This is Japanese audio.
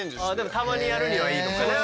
たまにやるにはいいのかな。